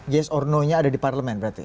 gas or no nya ada di parlemen berarti